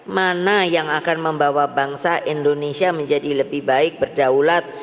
mana yang akan membawa bangsa indonesia menjadi lebih baik berdaulat